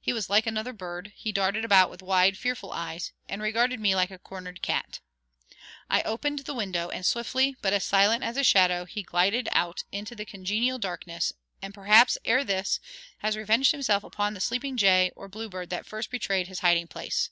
He was like another bird; he darted about with wide, fearful eyes, and regarded me like a cornered cat. I opened the window, and swiftly, but as silent as a shadow, he glided out into the congenial darkness, and perhaps, ere this, has revenged himself upon the sleeping jay or bluebird that first betrayed his hiding place.